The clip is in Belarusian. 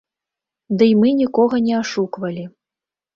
Дый, мы нікога не ашуквалі.